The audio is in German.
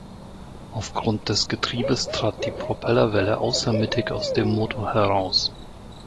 Aufgrund des Getriebes trat die Propellerwelle außermittig aus dem Motor heraus.